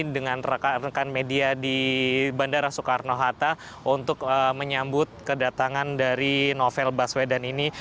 dengan rekan rekan media di bandara soekarno hatta untuk menyambut kedatangan dari novel baswedan ini